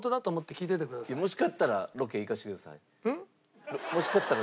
もし買ったらロケ行かせてください。